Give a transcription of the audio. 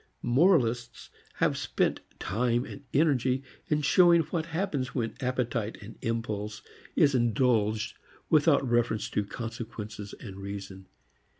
Moralists have spent time and energy in showing what happens when appetite, impulse, is indulged without reference to consequences and reason.